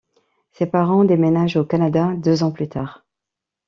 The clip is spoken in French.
Ses parents déménagent au Canada deux ans plus tard.